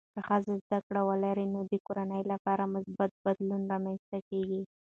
که ښځه زده کړه ولري، نو د کورنۍ لپاره مثبت بدلون رامنځته کېږي.